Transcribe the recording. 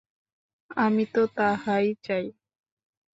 আমি তো তাহাই চাই।